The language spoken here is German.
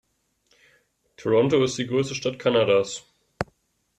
Toronto ist die größte Stadt Kanadas.